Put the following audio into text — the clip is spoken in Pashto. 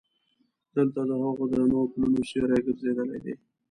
دلته د هغو درنو پلونو سیوري ګرځېدلی دي.